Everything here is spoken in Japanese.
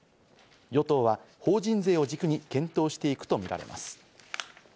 与党は法人税を軸に検討していくとみられます。